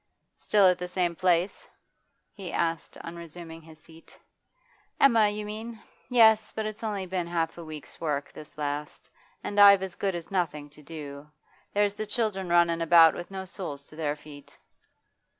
'Still at the same place?' he asked on resuming his seat. 'Emma, you mean? Yes, but it's only been half a week's work, this last. And I've as good as nothing to do. There's the children runnin' about with no soles to their feet.